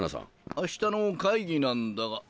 あしたの会議なんだが。